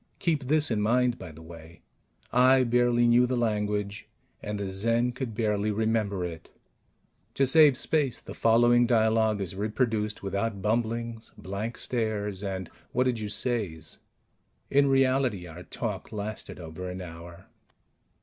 Keep this in mind, by the way: I barely knew the language, and the Zen could barely remember it. To save space, the following dialogue is reproduced without bumblings, blank stares and What did you says? In reality, our talk lasted over an hour.